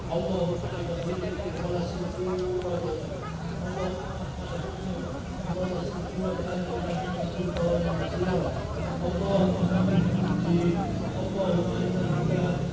oleh tiap dan hanya rakyat yang menyelamatkan ini